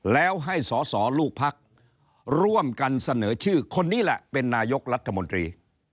แล้วให้สอสอลูกพักร่วมกันเสนอชื่อคนนี้แหละเป็นนายกรัฐมนตรี